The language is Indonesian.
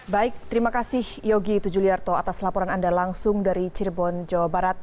baik terima kasih yogi tujuliarto atas laporan anda langsung dari cirebon jawa barat